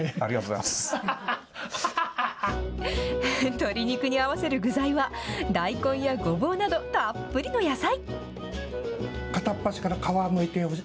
とり肉に合わせる具材は、大根やごぼうなど、たっぷりの野菜。